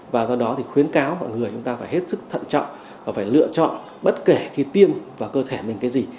và do đó thì khuyến cáo mọi người chúng ta phải hết sức thận trọng và phải lựa chọn bất kể khi tiêm vào cơ thể mình cái gì